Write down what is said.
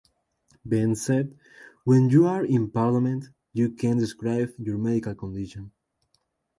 Benn said: When you're in parliament, you can't describe your medical condition.